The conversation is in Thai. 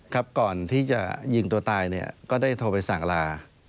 ครับก่อนที่จะยิงตัวตายเนี่ยก็ได้โทรไปสั่งลา